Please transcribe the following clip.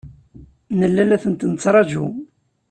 Nella la tent-nettṛaǧu.